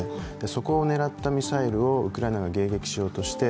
そこを狙ったミサイルをウクライナが迎撃しようとして